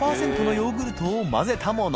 ヨーグルトを混ぜたもの